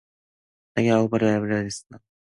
네 아우 아벨이 어디 있느냐